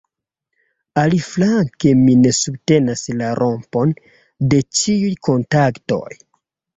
Aliflanke mi ne subtenas la rompon de ĉiuj kontaktoj.